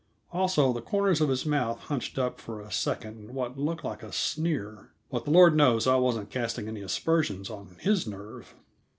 Also, the corners of his mouth hunched up for a second in what looked like a sneer. But the Lord knows I wasn't casting any aspersions on his nerve.